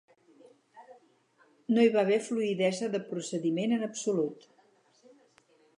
No hi va haver fluïdesa de procediment en absolut.